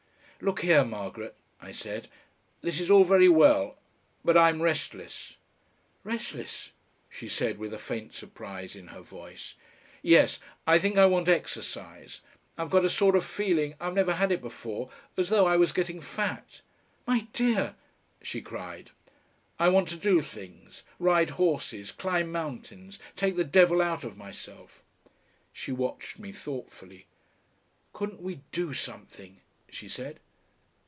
"Look here, Margaret," I said; "this is all very well, but I'm restless." "Restless!" she said with a faint surprise in her voice. "Yes. I think I want exercise. I've got a sort of feeling I've never had it before as though I was getting fat." "My dear!" she cried. "I want to do things; ride horses, climb mountains, take the devil out of myself." She watched me thoughtfully. "Couldn't we DO something?" she said.